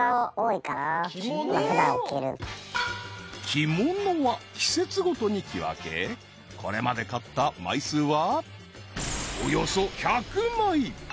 ［着物は季節ごとに着分けこれまで買った枚数は］